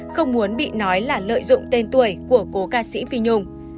không muốn bị nói là lợi dụng tên tuổi của cố ca sĩ phi nhung